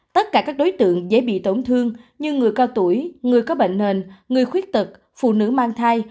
tất cả các đối tượng dễ bị tổn thương như người cao tuổi người có bệnh nền người khuyết tật phụ nữ mang thai